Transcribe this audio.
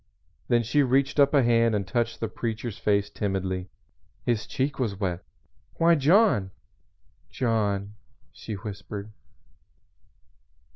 Then she reached up a hand and touched the Preacher's face timidly. His cheek was wet. "Why, John John!" she whispered.